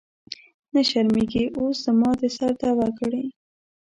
نه شرمېږې اوس زما د سر دعوه کړې.